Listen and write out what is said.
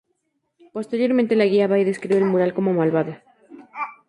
Posteriormente la guía va, y describe el mural como "malvado".